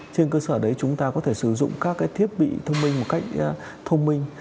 trên cơ sở đấy chúng ta có thể sử dụng các thiết bị thông minh một cách thông minh